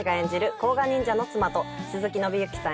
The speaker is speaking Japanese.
甲賀忍者の妻と鈴木伸之さん